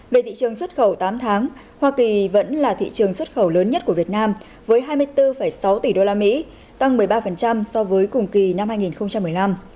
về thị trường xuất khẩu tám tháng hoa kỳ vẫn là thị trường xuất khẩu lớn nhất của việt nam với hai mươi bốn sáu tỷ usd tăng một mươi ba so với cùng kỳ năm hai nghìn một mươi năm